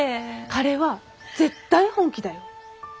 彼は絶対本気だよ。